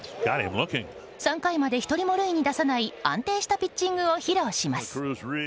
３回まで１人も塁に出さない安定したピッチングを披露します。